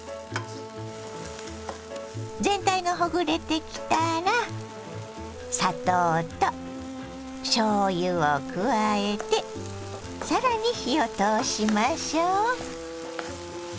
全体がほぐれてきたら砂糖としょうゆを加えて更に火を通しましょ。